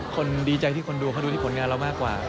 คนดีใจที่คนดูเขาดูที่ผลงานเรามากกว่า